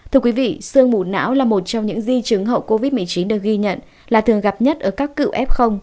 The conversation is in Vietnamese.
thưa quý vị sương mù não là một trong những di chứng hậu covid một mươi chín được ghi nhận là thường gặp nhất ở các cựu f